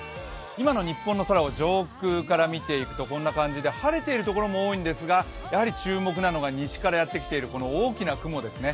今の日本の空を上空から見ていくとこんな感じで晴れているところも多いんですが、やはり注目なのが西からやってきている大きな雲ですね。